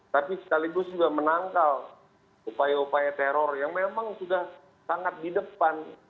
tapi sekaligus juga menangkal upaya upaya teror yang memang sudah sangat di depan